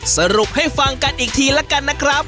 สรุปให้ฟังกันอีกทีละกันนะครับ